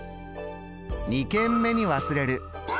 ２軒目に忘れる。